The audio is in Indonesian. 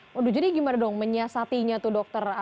waduh jadi gimana dong menyiasatinya tuh dokter